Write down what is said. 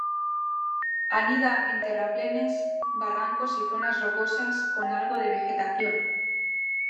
Anida en terraplenes, barrancos y zonas rocosas con algo de vegetación.